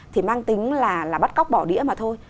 thì mang tính là bắt cóc bỏ đĩa mà thôi